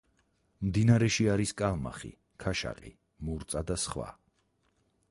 მდინარეში არის კალმახი, ქაშაყი, მურწა და სხვა.